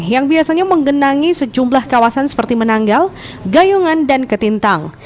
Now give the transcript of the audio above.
yang biasanya menggenangi sejumlah kawasan seperti menanggal gayungan dan ketintang